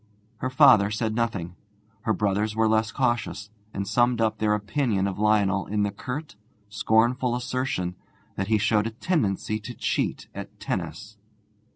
Her father said nothing. Her brothers were less cautious, and summed up their opinion of Lionel in the curt, scornful assertion that he showed a tendency to cheat at tennis.